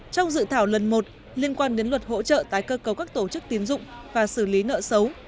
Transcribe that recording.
trong dự thảo lần một liên quan đến luật hỗ trợ tái cơ cấu các tổ chức tiến dụng và xử lý nợ xấu